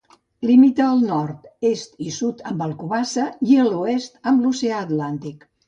Limita al nord, est i sud amb Alcobaça i a l'oest amb l'Oceà Atlàntic.